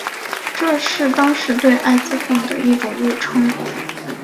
这是当时对艾滋病的一种误称。